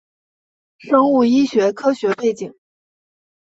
生物医学科学背景